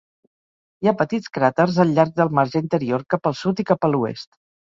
Hi ha petits cràters al llarg del marge interior cap al sud i cap a l'oest.